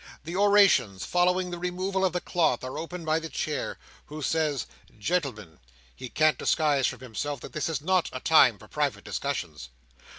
The orations following the removal of the cloth are opened by the Chair, who says, Gentlemen, he can't disguise from himself that this is not a time for private dissensions.